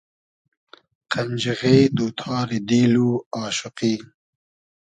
قئنجیغې دو تاری دیل و آشوقی